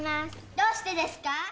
どうしてですか？